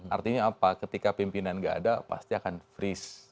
artinya apa ketika pimpinan nggak ada pasti akan freeze